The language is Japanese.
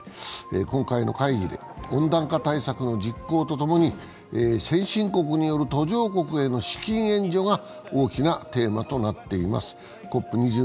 今回の会議で、温暖化対策の実行とともに先進国による途上国への資金援助が大きなテーマとなっています。